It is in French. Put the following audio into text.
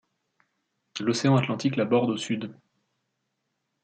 L'Océan Atlantique la borde au sud.